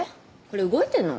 これ動いてんの？